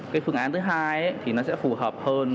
cái phương án thứ hai thì nó sẽ phù hợp hơn